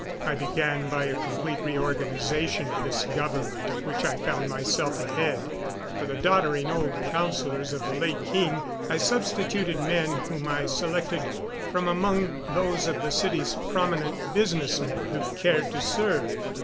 I began by a complete reorganization of this government of which I found myself the head. For the doddering old councilors of the late king I substituted men whom I selected from among those of the city's prominent business men who cared to serve.